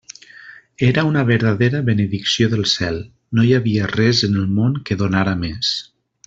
Era una verdadera benedicció del cel; no hi havia res en el món que donara més.